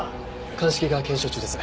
鑑識が検証中です。